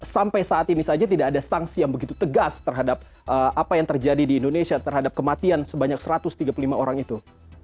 sampai saat ini saja tidak ada sanksi yang begitu tegas terhadap apa yang terjadi di indonesia terhadap kematian sebanyak satu ratus tiga puluh lima orang itu